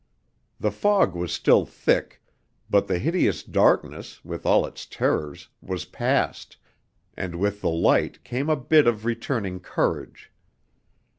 The fog was still thick, but the hideous darkness, with all its terrors, was passed, and with the light came a bit of returning courage.